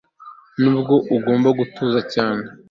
nibwo ugomba gutuza cyane